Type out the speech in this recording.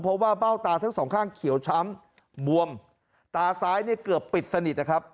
เพราะว่าเบ้าตาทั้งสองข้างเขียวช้ำบวมตาซ้ายเนี่ยเกือบปิดสนิทนะครับ